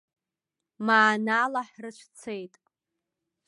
Маанала ҳрыцәцеит.